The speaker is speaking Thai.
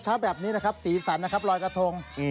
เช้าแบบนี้นะครับสีสันนะครับลอยกระทง